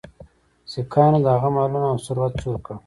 سیکهانو د هغه مالونه او ثروت چور کړ.